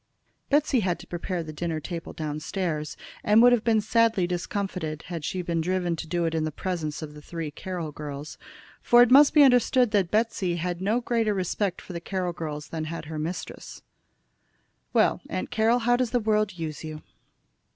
Betsey had to prepare the dinner table down stairs, and would have been sadly discomfited had she been driven to do it in the presence of three Carroll girls. For it must be understood that Betsey had no greater respect for the Carroll girls than her mistress. "Well, Aunt Carroll, how does the world use you?"